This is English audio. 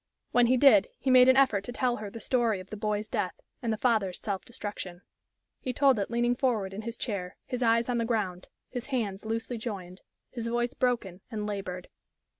When he did, he made an effort to tell her the story of the boy's death, and the father's self destruction. He told it leaning forward in his chair, his eyes on the ground, his hands loosely joined, his voice broken and labored.